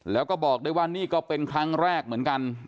แล้วก็บอกได้ว่านี่ก็เป็นครั้งแรกเหมือนกัน